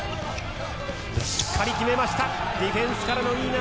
しっかり決めましたディフェンスからのいい流れ。